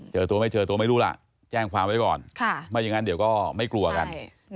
เจอตัวไม่เจอตัวไม่รู้ล่ะแจ้งความไว้ก่อนไม่อย่างนั้นเดี๋ยวก็ไม่กลัวกัน